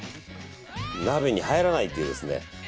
鍋に入らないというですね。